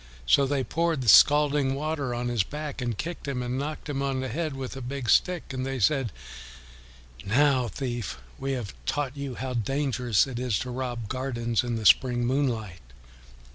So they poured the scalding water on his back and kicked him and knocked him on the head with a big stick, and they said, "Now, thief, we have taught you how dangerous it is to rob gardens in the spring moonlight."